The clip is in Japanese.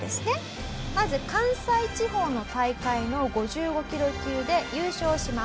まず関西地方の大会の５５キロ級で優勝します。